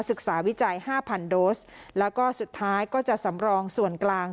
ศึกษาวิจัยห้าพันโดสแล้วก็สุดท้ายก็จะสำรองส่วนกลาง